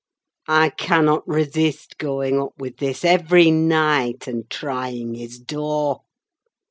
I cannot resist going up with this every night, and trying his door.